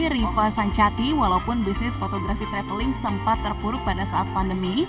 riva sancati walaupun bisnis fotografi traveling sempat terpuruk pada saat pandemi